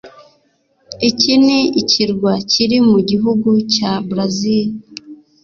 Iki ni ikirwa kiri mu gihugu cya Brazil,